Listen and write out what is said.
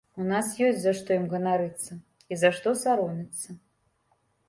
У нас ёсць за што ім ганарыцца і за што саромецца.